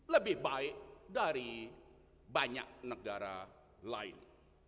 lebih baik dari banyak negara lain